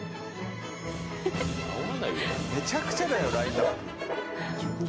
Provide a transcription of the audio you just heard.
「めちゃくちゃだよラインアップ」